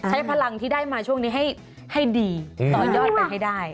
ใช้พลังที่ได้มาช่วงนี้ให้ดีต่อยอดไปให้ได้